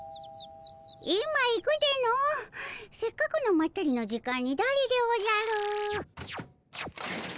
せっかくのまったりの時間にだれでおじゃる。